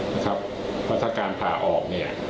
นะครับว่าถ้าการผ่าออก